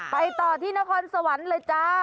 ไปต่อที่นครสวรรค์เลยจ้า